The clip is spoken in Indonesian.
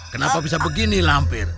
kenapa bisa begini lampir